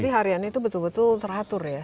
jadi harian itu betul betul teratur ya